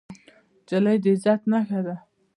نجلۍ د عزت نښه ده.